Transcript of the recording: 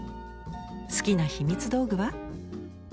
好きなひみつ道具は？